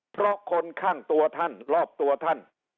เพราะคนข้างตัวท่านรอบตัวท่าน